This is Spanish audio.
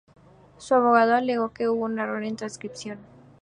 Su abogado alegó que hubo un error de transcripción.